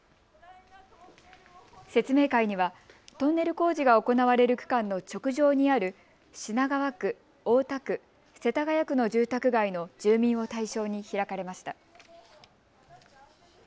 説明会にはトンネル工事が行われる区間の直上にある品川区、大田区、世田谷区の住宅街の住民を対象に開かれました。